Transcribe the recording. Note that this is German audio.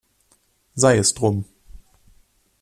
Sei es drum!